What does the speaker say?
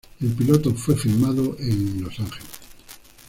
El piloto fue filmado en Los Ángeles.